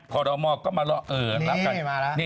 คอลโรมอลก็มาเลาะเอ่อรับกัน